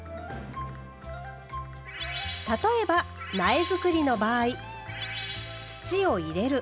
例えば苗づくりの場合土を入れる。